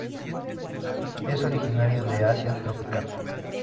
Es originario de Asia tropical.